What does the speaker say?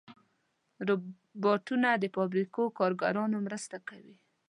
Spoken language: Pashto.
روبوټونه د فابریکو کارګران مرسته کوي.